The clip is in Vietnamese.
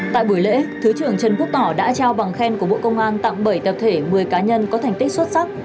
tại buổi lễ thứ trưởng trần quốc tỏ đã trao bằng khen của bộ công an tặng bảy tập thể một mươi cá nhân có thành tích xuất sắc